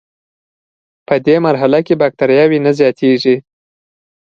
پدې مرحله کې بکټریاوې نه زیاتیږي.